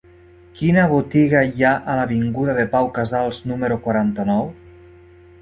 Quina botiga hi ha a l'avinguda de Pau Casals número quaranta-nou?